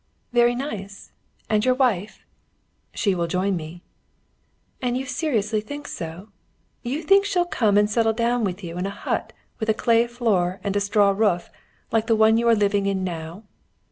"Very nice! And your wife?" "She will join me." "And you seriously think so? You think she'll come and settle down with you in a hut with a clay floor and a straw roof, like the one you are living in now."